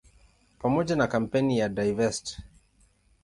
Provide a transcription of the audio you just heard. Pamoja na kampeni ya "Divest!